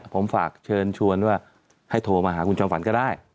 ผมฝากเชิญชวนว่าให้โทรมาหาคุณจอมฝันก็ได้